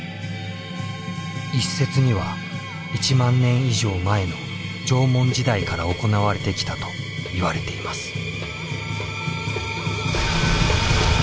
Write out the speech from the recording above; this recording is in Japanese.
一説には１万年以上前の縄文時代から行われてきたといわれています。